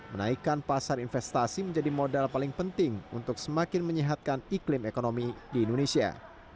menaikkan pasar investasi menjadi modal paling penting untuk semakin menyehatkan iklim ekonomi di indonesia